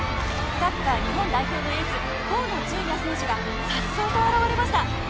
サッカー日本代表のエース河野純也選手が颯爽と現れました。